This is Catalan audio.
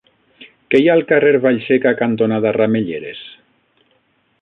Què hi ha al carrer Vallseca cantonada Ramelleres?